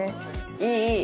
いいいい！